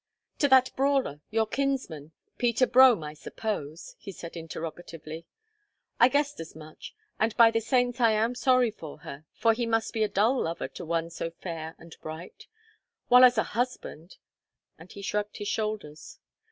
"To that brawler, your kinsman, Peter Brome, I suppose?" he said interrogatively. "I guessed as much, and by the saints I am sorry for her, for he must be a dull lover to one so fair and bright; while as a husband—" And he shrugged his shoulders.